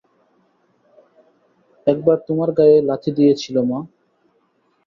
একবার তোমার গায়ে লাথি দিয়েছিল মা!